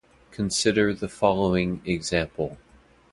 Consider the following example.